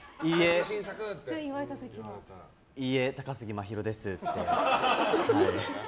いいえ、高杉真宙ですって。